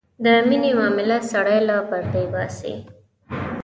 د مینې معامله سړی له پردې باسي.